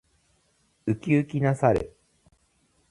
ウキウキな猿。